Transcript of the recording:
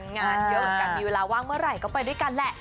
งานเยอะเหมือนกันมีเวลาว่างเมื่อไหร่ก็ไปด้วยกันแหละ